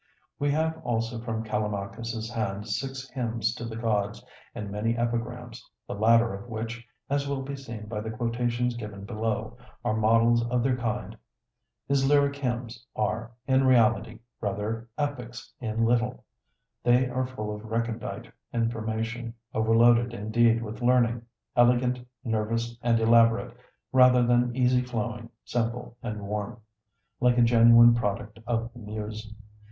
We have also from Callimachus's hand six hymns to the gods and many epigrams, the latter of which, as will be seen by the quotations given below, are models of their kind. His lyric hymns are, in reality, rather epics in little. They are full of recondite information, overloaded indeed with learning; elegant, nervous, and elaborate, rather than easy flowing, simple, and warm, like a genuine product of the muse.